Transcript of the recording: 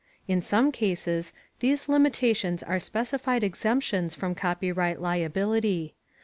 In some cases, these limitations are specified exemptions from copyright liability.